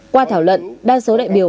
qua thảo luận đa số đại biểu